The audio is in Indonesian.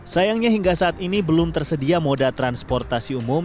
sayangnya hingga saat ini belum tersedia moda transportasi umum